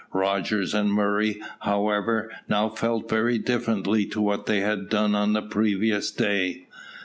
Rogers and Murray, however, now felt very differently to what they had done on the previous day.